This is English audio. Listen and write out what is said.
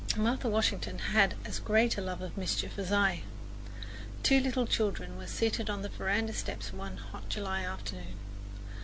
Martha Washington had as great a love of mischief as I. Two little children were seated on the veranda steps one hot July afternoon.